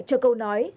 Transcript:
cho câu nói